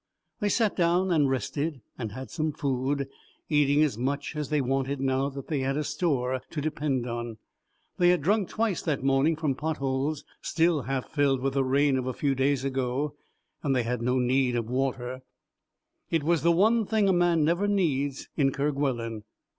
They sat down and rested and had some food, eating as much as they wanted now that they had a store to depend on. They had drunk twice that morning from pot holes still half filled with the rain of a few days ago and they had no need of water it is the one thing a man never needs in Kerguelen.